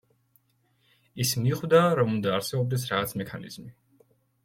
ის მიხვდა, რომ უნდა არსებობდეს რაღაც მექანიზმი.